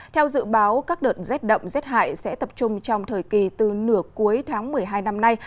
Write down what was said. theo dự báo các đợt rét đậm rét hại sẽ tập trung trong thời kỳ từ nửa cuối tháng một mươi hai năm nay